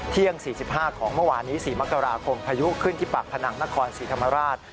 ๔๕ของเมื่อวานนี้๔มกราคมพายุขึ้นที่ปากพนังนครศรีธรรมราช